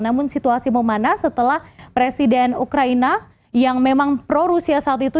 namun situasi memanas setelah presiden ukraina yang memang pro rusia saat itu